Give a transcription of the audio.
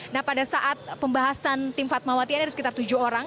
nah pada saat pembahasan tim fatmawati ada sekitar tujuh orang